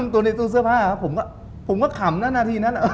ตู้ในตู้เสื้อผ้าผมก็ขำนานนาทีนั้น